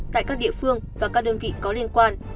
tại các địa phương và các đơn vị có liên quan